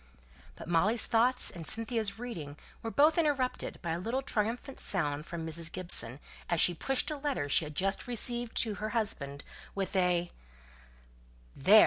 But Molly's thoughts and Cynthia's reading were both interrupted by a little triumphant sound from Mrs. Gibson, as she pushed a letter she had just received to her husband, with a "There!